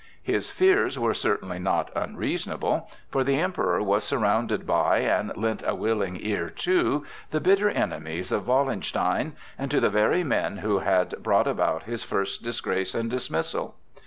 His fears were certainly not unreasonable, for the Emperor was surrounded by, and lent a willing ear to, the bitter enemies of Wallenstein, and to the very men who had brought about his first disgrace and dismissal.